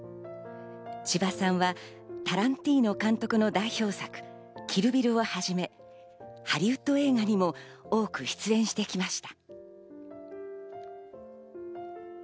千葉さんはタランティーノ監督の代表作、『キル・ビル』をはじめハリウッド映画にも多く出演してきました。